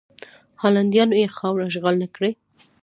هالنډیان یې خاوره اشغال نه کړي.